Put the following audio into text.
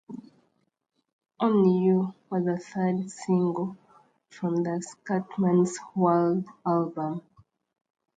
"Only You" was the third single from the "Scatman's World" album.